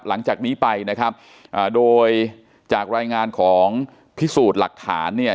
หลังจากนี้ไปนะครับอ่าโดยจากรายงานของพิสูจน์หลักฐานเนี่ย